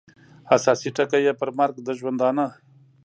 اساسي ټکي یې پر مرګ د ژوندانه